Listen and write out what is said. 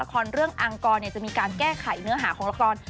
ละครเรื่องอังกรจะมีการแก้ไขเนื้อหาของละคร